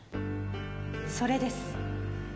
それです。